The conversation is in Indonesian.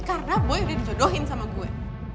karena boy udah dicodohin sama gue